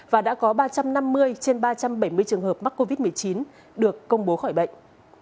và đã có ba trăm năm mươi trên ba trăm bảy mươi trường hợp mắc covid một mươi chín được công bố khỏi bệnh